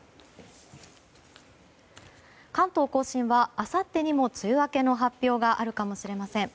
関東・甲信はあさってにも梅雨明けの発表があるかもしれません。